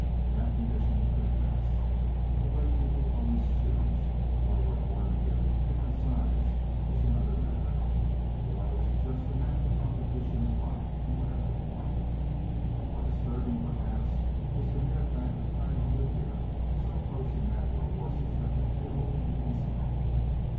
That condition could pass. The way people always chose or were born to different sides was another matter. Or was it just the natural competition of life in whatever form? More disturbing, perhaps, was the mere fact of trying to live here, so close to natural forces that could kill in an instant.